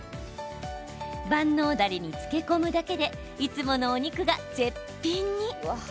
万能だれに漬け込むだけでいつものお肉が絶品に。